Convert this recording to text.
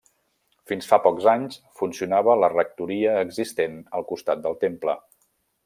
Fins fa poc anys funcionava la rectoria existent al costat del temple.